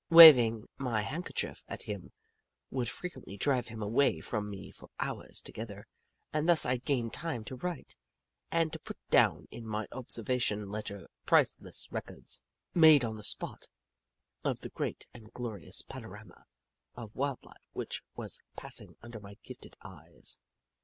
Waving my handkerchief at him would frequently drive him away from me for hours together, and thus I gained time to write, and to put down in my observation ledger priceless records, made on the spot, of the great and glorious panorama of wild life which was pass ing under my gifted eyes.